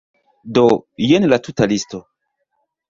Do, jen la tuta listo.